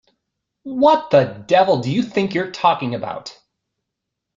What the devil do you think you're talking about?